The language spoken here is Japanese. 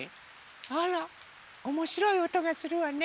あらおもしろいおとがするわね。